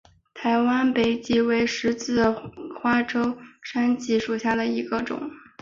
台湾山荠为十字花科山荠属下的一个种。